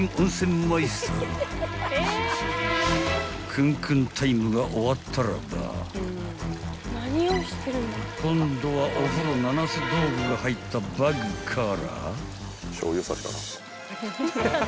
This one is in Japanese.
［クンクンタイムが終わったらば今度はお風呂七つ道具が入ったバッグから］